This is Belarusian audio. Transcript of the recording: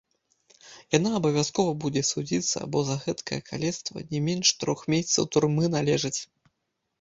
Яна абавязкова будзе судзіцца, бо за гэткае калецтва не менш трох месяцаў турмы належыць!